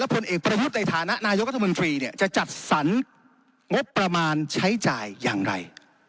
ผลเอกประวุฒิในฐานะนายกรัฐมนตรีเนี่ยจะจัดสรรงบประมาณใช้จ่ายอย่างไร